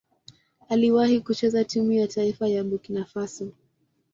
Aliwahi kucheza timu ya taifa ya Burkina Faso.